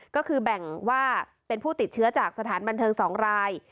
ก็คือแบ่งว่าเป็นผู้ติดเชื้อจากสถานบันเทิง๒ราย